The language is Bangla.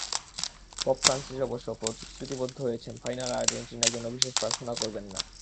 পোপ ফ্রান্সিস অবশ্য প্রতিশ্রুতিবদ্ধ হয়েছেন, ফাইনালে আর্জেন্টিনার জন্য বিশেষ প্রার্থনা করবেন না।